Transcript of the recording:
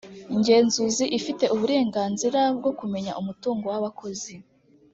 ngenzuzi ifite uburenganzira bwo kumenya umutungo wabakozi.